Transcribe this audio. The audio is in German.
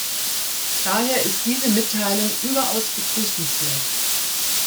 Daher ist diese Mitteilung überaus begrüßenswert.